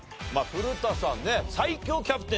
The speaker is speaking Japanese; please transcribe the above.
古田さんね最強キャプテンですよ。